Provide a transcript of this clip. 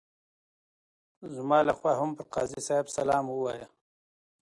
زما لخوا هم پر قاضي صاحب سلام ووایه.